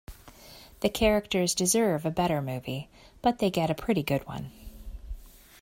The characters deserve a better movie, but they get a pretty good one.